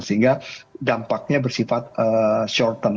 sehingga dampaknya bersifat short term